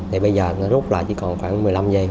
thì bây giờ nó rút lại chỉ còn khoảng một mươi năm giây